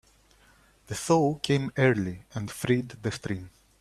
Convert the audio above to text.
The thaw came early and freed the stream.